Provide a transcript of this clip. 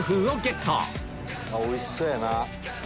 おいしそうやな。